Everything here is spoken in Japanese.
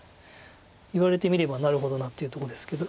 言われてみればなるほどなっていうとこですけど。